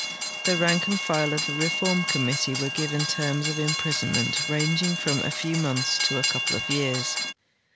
The rank and file of the reform committee were given terms of imprisonment ranging from a few months to a couple of years.